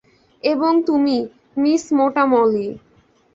এবং তুমি, মিস মোটা মলি।